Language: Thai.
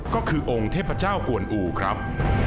ก็คือองค์เทพเจ้ากวนอู่ครับ